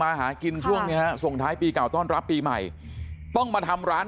หากินช่วงนี้ฮะส่งท้ายปีเก่าต้อนรับปีใหม่ต้องมาทำร้าน